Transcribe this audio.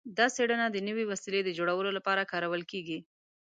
دا څیړنه د نوې وسیلې د جوړولو لپاره کارول کیږي.